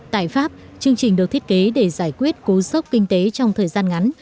tại pháp chương trình được thiết kế để giải quyết cú sốc kinh tế trong thời gian ngắn